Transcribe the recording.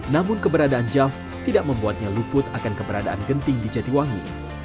namun keberadaan jav tidak membuatnya luput akan keberadaan genting di jatiwangi